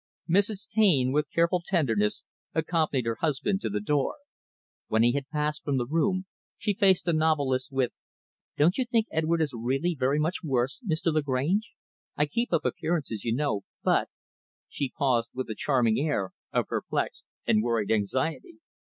Mrs. Taine, with careful tenderness, accompanied her husband to the door. When he had passed from the room, she faced the novelist, with "Don't you think Edward is really very much worse, Mr. Lagrange? I keep up appearances, you know, but " she paused with a charming air of perplexed and worried anxiety.